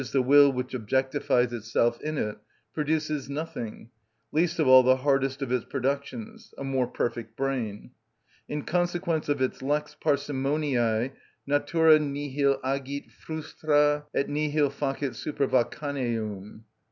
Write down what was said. _, the will which objectifies itself in it) produces nothing, least of all the hardest of its productions—a more perfect brain: in consequence of its lex parsimoniæ: natura nihil agit frustra et nihil facit supervacaneum.